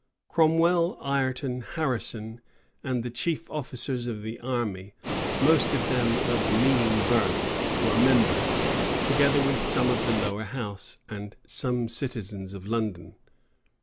Cromwell, Ireton, Harrison, and the chief officers of the army, most of them of mean birth, were members, together with some of the lower house, and some citizens of London.